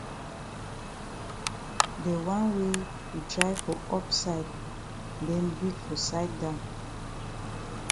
De wan wey yi dry for up side den big for side down.